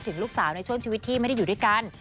ถึงลูกสาวในช่วงชีวิตที่ไม่ได้อยู่ด้วยกัน